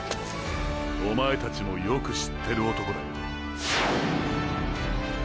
おまえたちもよく知ってる男だよ。